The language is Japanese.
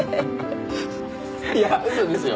いやウソですよ